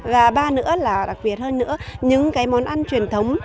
và ba nữa là đặc biệt hơn nữa những cái món ăn truyền thống